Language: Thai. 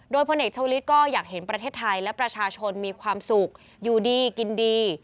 โดยพลเอกชาวลิศก็อยากเห็นประเทศไทยและประชาชนมีความสุขอยู่ดีกินดี